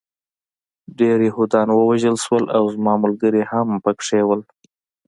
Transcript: ډېر یهودان ووژل شول او زما ملګري هم پکې وو